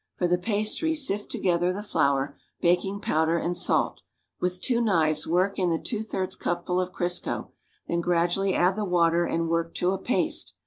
For the pastry sift together the flour, baking powder and salt; with two knives work in the two thirds cupful of Crisco, then gradually add the water and work to a paste.